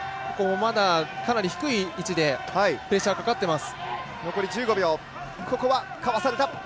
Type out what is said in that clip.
まだかなり低い位置でプレッシャーかかっています。